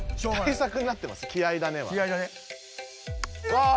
わあ！